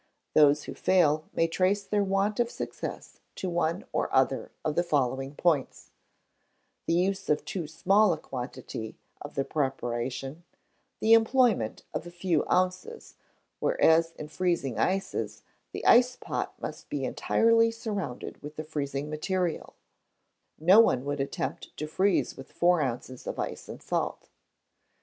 Those who fail, may trace their want of success to one or other of the following points: the use of too small a quantity of the preparation, the employment of a few ounces; whereas, in freezing ices, the ice pot must be entirely surrounded with the freezing material: no one would attempt to freeze with four ounces of ice and salt.